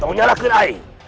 tengoknya lah keren aing